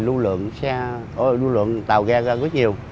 lưu lượng xe lưu lượng tàu ghe ra rất nhiều